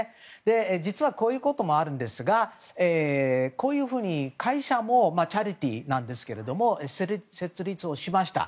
実はこういうこともあるんですがこういうふうに会社もチャリティーなんですけど設立をしました。